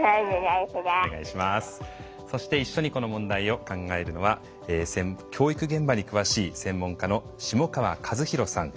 そして一緒にこの問題を考えるのは教育現場に詳しい専門家の下川和洋さん。